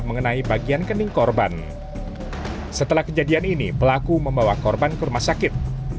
mengenai bagian kening korban setelah kejadian ini pelaku membawa korban ke rumah sakit